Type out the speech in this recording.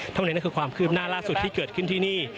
นี่คือความคืบหน้าล่าสุดที่เกิดขึ้นที่นี่